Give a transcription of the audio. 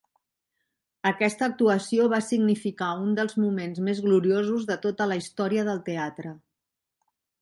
Aquesta actuació va significar un dels moments més gloriosos de tota la història del teatre.